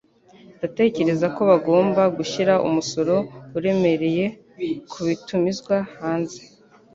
Ndatekereza ko bagomba gushyira umusoro uremereye kubitumizwa hanze.